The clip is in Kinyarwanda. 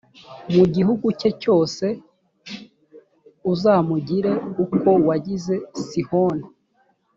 mu gihugu cye cyose; uzamugire uko wagize sihoni